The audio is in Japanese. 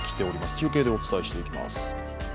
中継でお伝えしていきます。